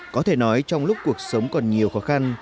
có thể nói trong lúc cuộc sống còn nhiều khó khăn